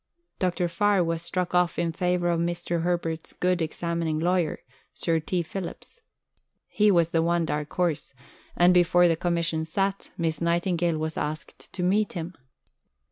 Dr. Farr was struck off in favour of Mr. Herbert's "good examining lawyer," Sir T. Phillips. He was the one dark horse; and, before the Commission sat, Miss Nightingale was asked to meet him.